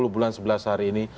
sepuluh bulan sebelas hari ini